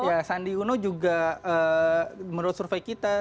ya sandi uno juga menurut survei kita